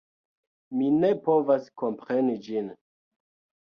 Mi ne povas kompreni ĝin